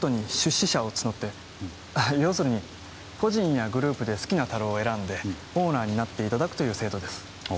要するに個人やグループで好きな樽を選んでオーナーになっていただくという制度です。